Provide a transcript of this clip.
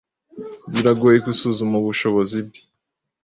Biragoye gusuzuma ubushobozi bwe.